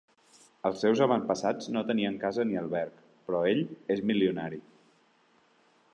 Els seus avantpassats no tenien casa ni alberg, però ell és milionari.